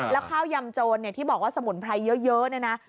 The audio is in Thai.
และข้าวยำโจนที่บอกว่าสมุนไพรเยอะ